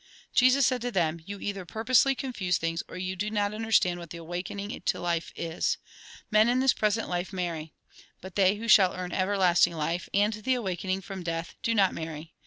" Jesus said to them :" You either purposely confuse things, or you do not understand what the awakening to life is. Men in this present life marry. But they who shall earn everlasting life, and the awakening from death, do not marry.